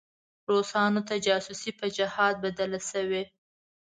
روسانو ته جاسوسي په جهاد بدله شوې.